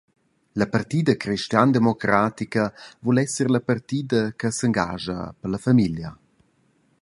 La partida cristiandemocratica vul esser la partida che s’engascha per la famiglia.